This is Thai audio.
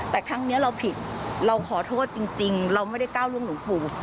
แต่ครั้งนี้เราผิดเราขอโทษจริงเราไม่ได้ก้าวล่วงหลวงปู่